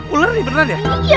ular ini beneran ya iya